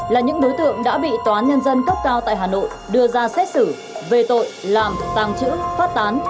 là những đối tượng đã bị tòa án nhân dân cấp cao tại hà nội đưa ra xét xử về tội làm tàng trữ phát tán